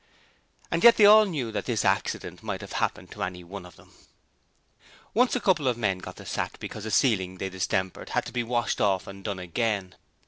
And yet they all knew that this accident might have happened to any one of them. Once a couple of men got the sack because a ceiling they distempered had to be washed off and done again.